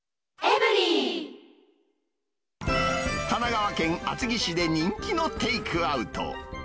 神奈川県厚木市で人気のテイクアウト。